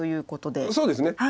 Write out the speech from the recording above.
そうですね。